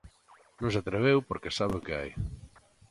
E non se atreveu porque sabe o que hai.